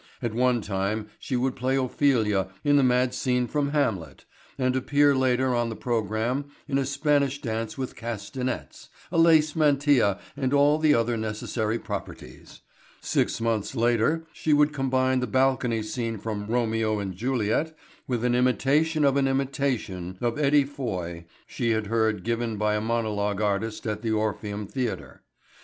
At one time she would play Ophelia in the mad scene from "Hamlet" and appear later on the program in a Spanish dance with castanets, a lace mantilla and all the other necessary properties. Six months later she would combine the balcony scene from "Romeo and Juliet" with an imitation of an imitation of Eddie Foy she had heard given by a monologue artist at the Orpheum Theatre.